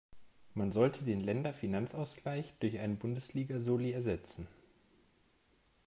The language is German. Man sollte den Länderfinanzausgleich durch einen Bundesliga-Soli ersetzen.